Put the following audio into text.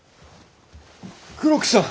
黒木さん！